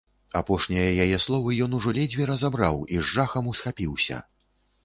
Апошнія яе словы ён ужо ледзьве разабраў і з жахам усхапіўся.